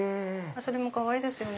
それもかわいいですよね。